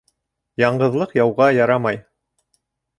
Яңғыҙлыҡ яуға ярамай